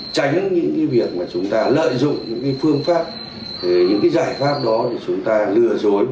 tránh những cái việc mà chúng ta lợi dụng những phương pháp những cái giải pháp đó để chúng ta lừa dối